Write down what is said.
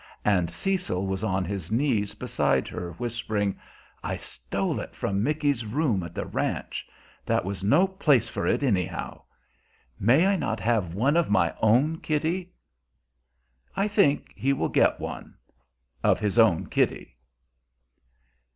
And Cecil was on his knees beside her, whispering, "I stole it from Micky's room at the ranch. That was no place for it, anyhow. May I not have one of my own, Kitty?" I think he will get one of his own Kitty.